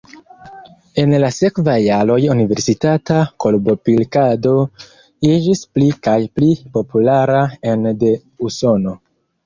En la sekvaj jaroj universitata korbopilkado iĝis pli kaj pli populara ene de Usono.